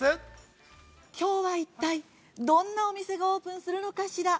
きょうは一体どんなお店がオープンするのかしら？